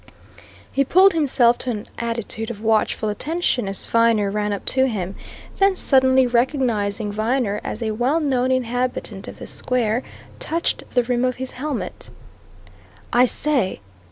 He pulled himself to an attitude of watchful attention as Viner ran up to him; then suddenly recognizing Viner as a well known inhabitant of the Square, touched the rim of his helmet. "I say!"